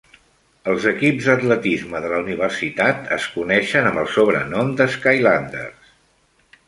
Els equips d'atletisme de la universitat es coneixen amb el sobrenom de "Skylanders".